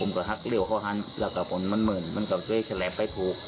ผมก็หักเร็วเข้าฮันแล้วก็ผมมันเหมือนมันก็เกลียดแสลบไปถูก